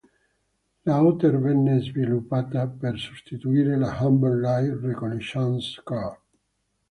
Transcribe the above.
La Otter venne sviluppata per sostituire la Humber Light Reconnaissance Car.